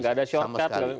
gak ada shortcut